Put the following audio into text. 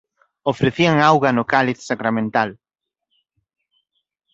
Ofrecían auga no cáliz sacramental.